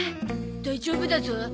大丈夫だゾ。